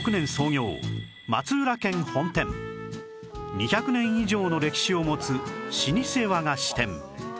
２００年以上の歴史を持つ老舗和菓子店